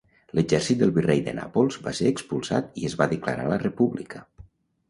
L'exèrcit del virrei de Nàpols va ser expulsat i es va declarar la República.